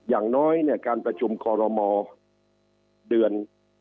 อย่างน้อยเนี่ยการประชุมคอรมอเดือน